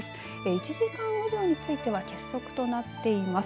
１時間雨量については欠測となっています。